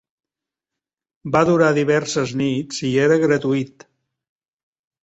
Va durar diverses nits i era gratuït.